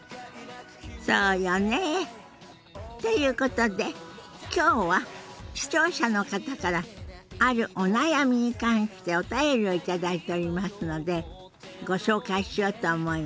そうよね。ということで今日は視聴者の方からあるお悩みに関してお便りを頂いておりますのでご紹介しようと思います。